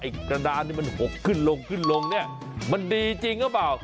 อีกระดานนี้มันหกขึ้นลงนี่มันดีจริงหรือเปล่า